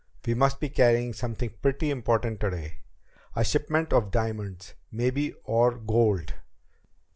We must be carrying something pretty important today. A shipment of diamonds, maybe, or gold."